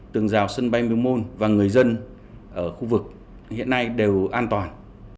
tường rào sân bay miếu môn và người dân ở khu vực hiện nay đều an toàn